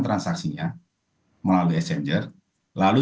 transaksinya melalui esenger lalu